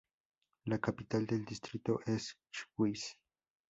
La capital del distrito es Schwyz.